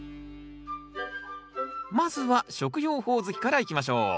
まずは食用ホオズキからいきましょう。